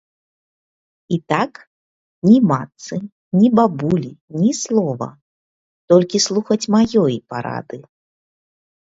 І так, ні матцы, ні бабулі ні слова, толькі слухаць маёй парады.